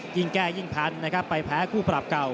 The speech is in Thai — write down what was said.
ยิ่งแก้ยิ่งพันนะครับไปแพ้คู่ปรับเก่า